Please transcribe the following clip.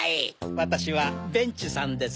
わたしはベンチさんです。